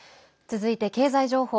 続いて経済情報。